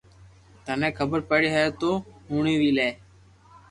ٿني خبر پڙي ھي تو ھڻَو وي لي